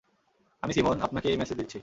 আমি সিমোন, আপনাকে এই মেসেজ দিচ্ছি।